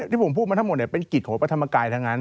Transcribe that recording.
ที่ผมพูดมาทั้งหมดเป็นกิจของพระธรรมกายทั้งนั้น